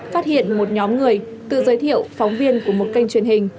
phát hiện một nhóm người tự giới thiệu phóng viên của một kênh truyền hình